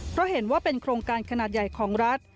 เพราะเห็นว่าเป็นโครงการขนาดใหญ่ของรัฐ